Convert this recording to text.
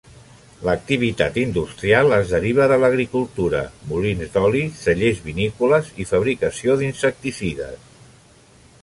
L'activitat industrial es deriva de l'agricultura: molins d'oli, cellers vinícoles i fabricació d'insecticides.